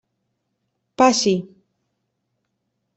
Passi.